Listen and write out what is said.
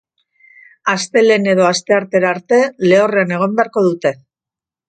Astelehen edo asteartera arte lehorrean egon beharko dute.